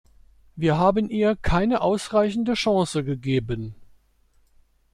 Wir haben ihr keine ausreichende Chance gegeben.